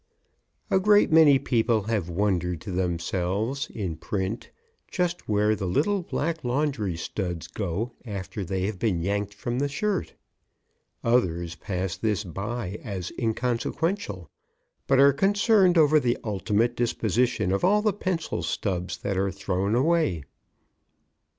A great many people have wondered to themselves, in print, just where the little black laundry studs go after they have been yanked from the shirt. Others pass this by as inconsequential, but are concerned over the ultimate disposition of all the pencil stubs that are thrown away.